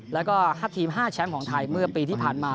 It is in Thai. แล้วก็๕ทีม๕แชมป์ของไทยเมื่อปีที่ผ่านมา